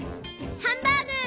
ハンバーグ！